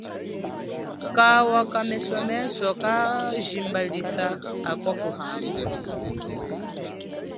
Kawa kamesomeso kajimbalisa akwa kuhanga.